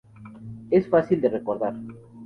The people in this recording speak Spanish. Es fácil de recordar".